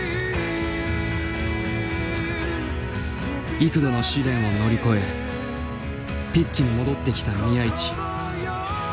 幾度の試練を乗り越えピッチに戻ってきた宮市。